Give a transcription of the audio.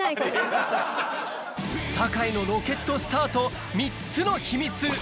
坂井のロケットスタート３つの秘密